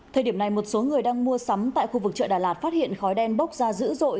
thời điểm này một số người đang mua sắm tại khu vực chợ đà lạt phát hiện khói đen bốc ra dữ dội